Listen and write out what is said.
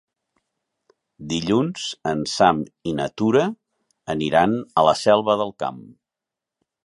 Dilluns en Sam i na Tura aniran a la Selva del Camp.